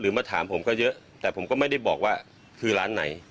มาถามผมก็เยอะแต่ผมก็ไม่ได้บอกว่าคือร้านไหน